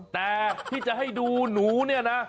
แต่ที่จะให้ดูหนูเนี่ยนะ